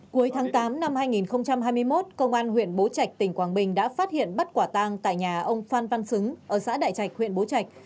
cuối tháng tám năm hai nghìn hai mươi một công an huyện bố trạch tỉnh quảng bình đã phát hiện bắt quả tang tại nhà ông phan văn xứng ở xã đại trạch huyện bố trạch